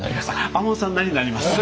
亞門さんなりになります！